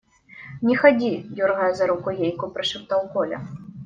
– Не ходи, – дергая за руку Гейку, прошептал Коля.